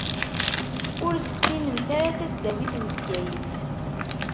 Ur tessinemt ara tasdawit n Bgayet.